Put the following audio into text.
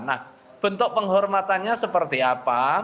nah bentuk penghormatannya seperti apa